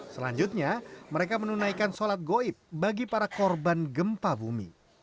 selanjutnya mereka menunaikan sholat goib bagi para korban gempa bumi